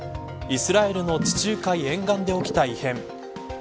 イスラエルの地中海沿岸で起きた異変。